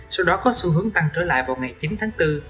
sau đó có xu hướng tăng trở lại vào ngày chín tháng bốn